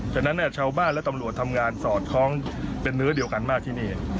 ฉะนั้นชาวบ้านและตำรวจทำงานสอดคล้องเป็นเนื้อเดียวกันมากที่นี่